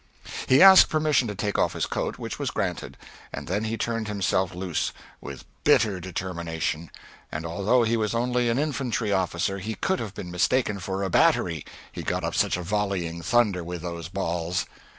He asked permission to take off his coat, which was granted; then he turned himself loose, with bitter determination, and although he was only an infantry officer he could have been mistaken for a battery, he got up such a volleying thunder with those balls.